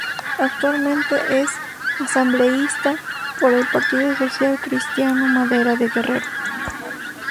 Actualmente es asambleísta por el Partido Social Cristiano-Madera de Guerrero.